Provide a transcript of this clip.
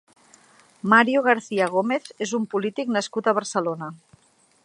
Mario García Gómez és un polític nascut a Barcelona.